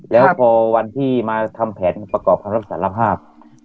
แล้วพอวันที่มาทำแผนประกอบคำรับสารภาพ